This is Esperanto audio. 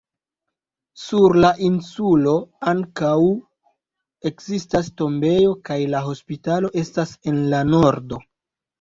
Sur la insulo ankaŭ ekzistas tombejo, kaj la hospitalo estas en la nordo.